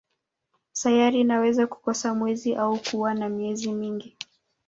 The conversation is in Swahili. Sayari inaweza kukosa mwezi au kuwa na miezi mingi.